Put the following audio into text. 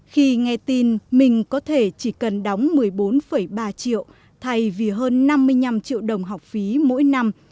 khi nghe tin mình có thể chỉ cần đóng một mươi bốn ba triệu thay vì hơn năm mươi năm triệu đồng học phí mỗi năm